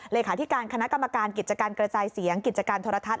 เลขาธิการคณะกรรมการกิจการกระจายเสียงกิจการโทรทัศน